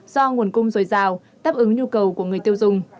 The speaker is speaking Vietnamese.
do nguồn cung dồi dào đáp ứng nhu cầu của người tiêu dùng